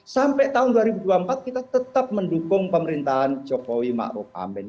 sampai tahun dua ribu dua puluh empat kita tetap mendukung pemerintahan jokowi ma'ruf amin